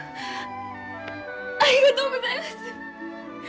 ありがとうございます！